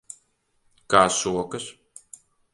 Kā sokas?